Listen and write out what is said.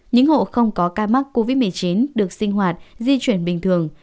những hộ không có ca mắc covid một mươi chín được sinh hoạt di chuyển bình thường